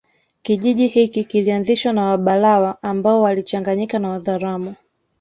Kijiji hiki kilianzishwa na Wabalawa ambao walichanganyika na Wazaramo